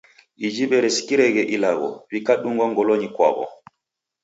Iji w'eresikireghe ilagho, w'ikadungwa ngolonyi kwaw'o.